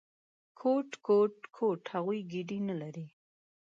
_کوټ، کوټ، کوټ… هغوی ګېډې نه لري!